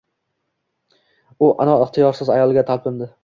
U inon-ixtiyorsiz ayolga talpindi